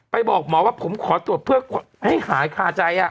บอกหมอว่าผมขอตรวจเพื่อให้หายคาใจ